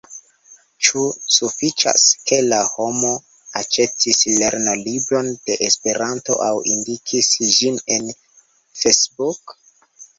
Ĉu sufiĉas, ke la homo aĉetis lernolibron de Esperanto, aŭ indikis ĝin en Facebook?